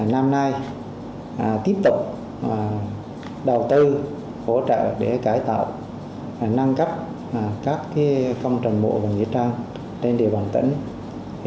năm nay tiếp tục đầu tư hỗ trợ để cải tạo nâng cấp các công trần mộ của nghĩa trang trên địa phòng tỉnh